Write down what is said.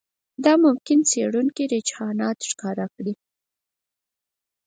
دا ممکن د څېړونکو رجحانات ښکاره کړي